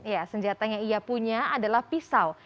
ya senjata yang ia punya adalah pisau